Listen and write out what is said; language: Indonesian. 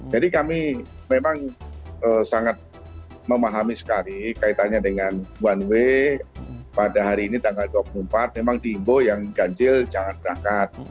kami memang sangat memahami sekali kaitannya dengan one way pada hari ini tanggal dua puluh empat memang diimbo yang ganjil jangan berangkat